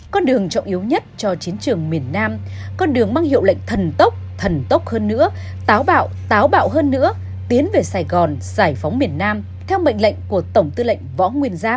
con đường trọng yếu nhất cho chiến trường miền nam con đường mang hiệu lệnh thần tốc thần tốc hơn nữa táo bạo táo bạo hơn nữa tiến về sài gòn giải phóng miền nam theo mệnh lệnh của tổng tư lệnh võ nguyên giáp